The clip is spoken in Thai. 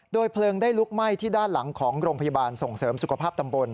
เพลิงได้ลุกไหม้ที่ด้านหลังของโรงพยาบาลส่งเสริมสุขภาพตำบล